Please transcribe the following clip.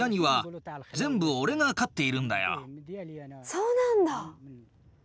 そうなんだ。